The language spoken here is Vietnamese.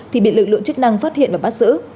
thì bị lực lượng chức năng phát hiện và bắt giữ